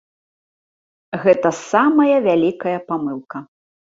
Гэта самая вялікая памылка.